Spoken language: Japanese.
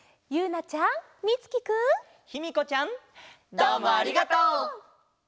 どうもありがとう！